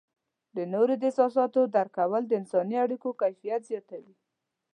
د نورو د احساساتو درک کول د انسانی اړیکو کیفیت زیاتوي.